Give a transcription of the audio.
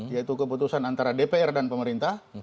yaitu keputusan antara dpr dan pemerintah